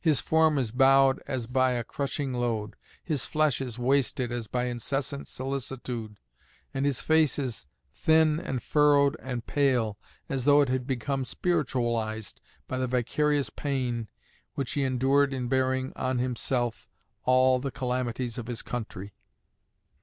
His form is bowed as by a crushing load; his flesh is wasted as by incessant solicitude; and his face is thin and furrowed and pale, as though it had become spiritualized by the vicarious pain which he endured in bearing on himself all the calamities of his country."